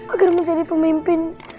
agar menjadi pemimpin